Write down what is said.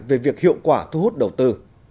về việc hiệu quả thu hút đầu tư